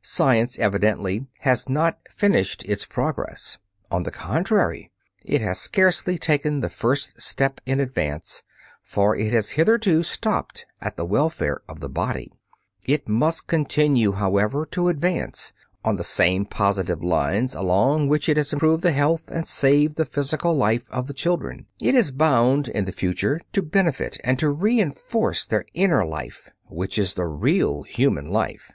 Science evidently has not finished its progress. On the contrary, it has scarcely taken the first step in advance, for it has hitherto stopped at the welfare of the body. It must continue, however, to advance; on the same positive lines along which it has improved the health and saved the physical life of the children, it is bound in the future to benefit and to reenforce their inner life, which is the real human life.